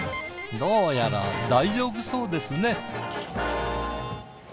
どうやら大丈夫そうですね。